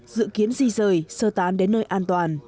dự kiến di rời sơ tán đến nơi an toàn